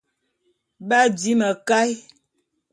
B'adi mekaé.